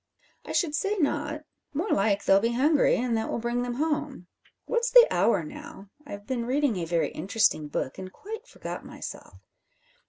"I should say not. More like they'll be hungry, and that will bring them home. What's the hour now? I've been reading a very interesting book, and quite forgot myself.